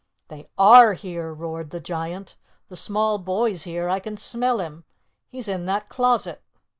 "They are here," roared the Giant. "The small boy's here. I can smell him. He's in that closet."